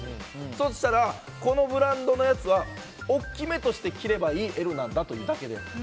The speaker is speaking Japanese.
そしたら、このブランドのやつは大きめとして着ればいいＬなんだというだけで。